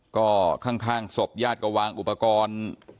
ก็ข้างศพญาติก็วางอุปกรณ์